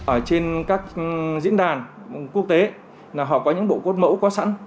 ở trên các diễn đàn quốc tế là họ có những bộ cốt mẫu có sẵn